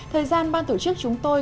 thời gian ban tổ chức chúng tôi